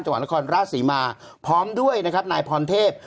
จังหวัดนครราชศรีมาพร้อมด้วยนะครับนายพรเทพ